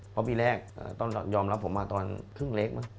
เพราะปีแรกต้องยอมรับผมมาตอนครึ่งเล็กมั้ง